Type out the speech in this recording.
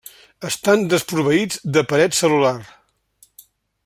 Estan desproveïts de paret cel·lular.